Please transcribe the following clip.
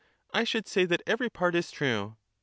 I should say that every part is true.